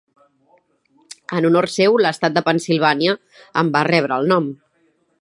En honor seu, l'estat de Pennsilvània en va rebre el nom.